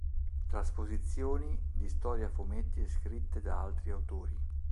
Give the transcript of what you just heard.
Trasposizioni di storie a fumetti scritte da altri autori.